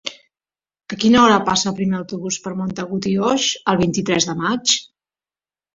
A quina hora passa el primer autobús per Montagut i Oix el vint-i-tres de maig?